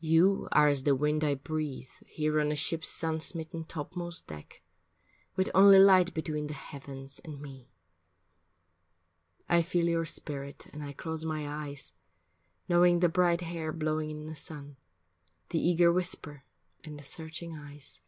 You are as the wind I breathe Here on the ship's sun smitten topmost deck, With only light between the heavens and me. I feel your spirit and I close my eyes, Knowing the bright hair blowing in the sun, The eager whisper and the searching eyes.